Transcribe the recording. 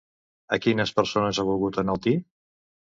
A quines persones ha volgut enaltir?